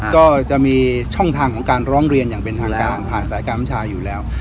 ก็จะมีช่องทางของการร้องเรียนอย่างเป็นทางการผ่านสายการบัญชาอยู่แล้ว